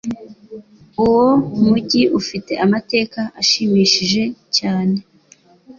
Uwo mujyi ufite amateka ashimishije cyane.